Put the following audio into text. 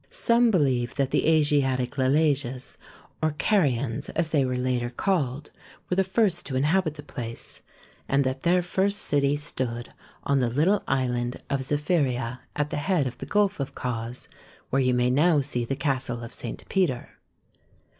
Some believe that the Asiatic Lelages, or Carians as they were later called, were the first to inhabit the place, and that their first city stood 9 129 i 3 o THE SEVEN WONDERS on the little island of Zephyria at the head of the Gulf of Cos, where you may now see the castle of St. Peter.